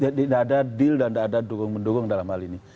tidak ada deal dan tidak ada dukung mendukung dalam hal ini